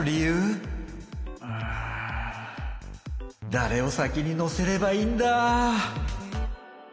だれを先に乗せればいいんだ？